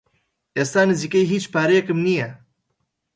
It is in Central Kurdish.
ئێستا نزیکەی هیچ پارەیەکم نییە.